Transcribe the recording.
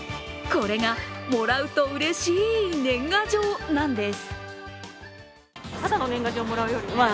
これが、もらうとうれしい年賀状なんです。